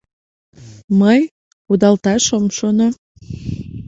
Мый кудалташ ом шоно.